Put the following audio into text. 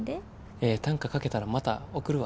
ええ短歌書けたらまた送るわ。